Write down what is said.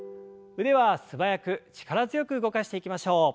腕は素早く力強く動かしていきましょう。